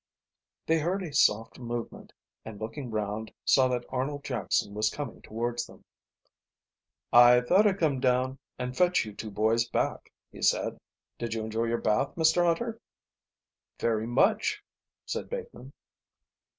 They heard a soft movement and looking round saw that Arnold Jackson was coming towards them. "I thought I'd come down and fetch you two boys back," he said. "Did you enjoy your bath, Mr Hunter?" "Very much," said Bateman.